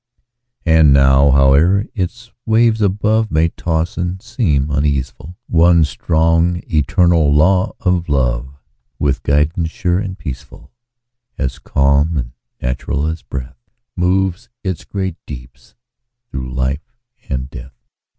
And now, howe'er its waves above May toss and seem uneaseful, One strong, eternal law of Love, With guidance sure and peaceful, As calm and natural as breath, Moves its great deeps through life and death.